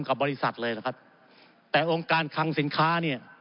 กับบริษัทเลยแต่องค์การคร์งสินค้า